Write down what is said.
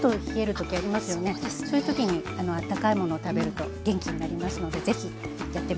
そういう時にあったかいものを食べると元気になりますので是非やってみて下さい。